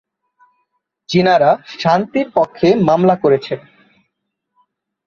চীনারা শান্তির পক্ষে মামলা করেছে।